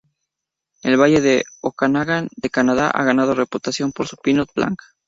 El valle del Okanagan de Canadá ha ganado reputación por su pinot blanc.